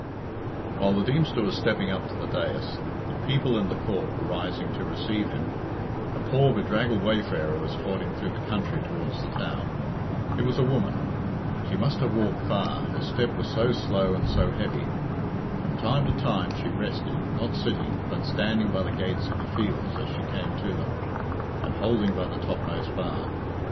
While the Deemster was stepping up to the dais, and the people in the court were rising to receive him, a poor bedraggled wayfarer was toiling through the country towards the town. It was a woman. She must have walked far, her step was so slow and so heavy. From time to time she rested, not sitting, but standing by the gates of the fields as she came to them, and holding by the topmost bar.